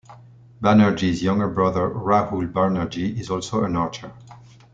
Banerjee's younger brother Rahul Banerjee is also an archer.